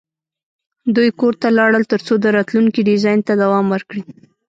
دوی کور ته لاړل ترڅو د راتلونکي ډیزاین ته دوام ورکړي